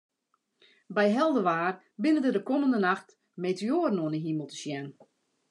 By helder waar binne der de kommende nacht meteoaren oan 'e himel te sjen.